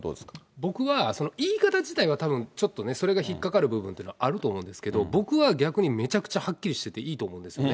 僕は、その言い方自体は、たぶんちょっとね、それが引っかかる部分っていうのはあると思うんですけれども、僕は逆に、めちゃくちゃはっきりしてていいと思うんですね。